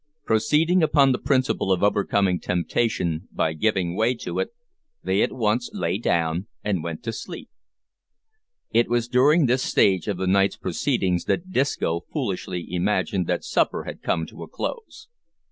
Proceeding upon the principle of overcoming temptation by giving way to it, they at once lay down and went to sleep. It was during this stage of the night's proceedings that Disco foolishly imagined that supper had come to a close.